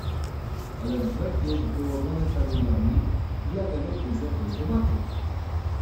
"Ale brzeg jest wyłożony kamieniami i dlatego trudno coś zobaczyć."